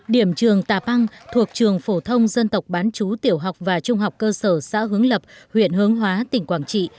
điểm trường tà păng thuộc trường phổ thông dân tộc bán chú tiểu học và trung học cơ sở xã hướng lập huyện hướng hóa tỉnh quảng trị